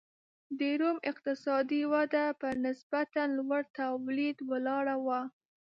د روم اقتصادي وده پر نسبتا لوړ تولید ولاړه وه.